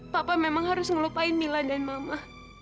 papa memang harus ngelupain mila dan mama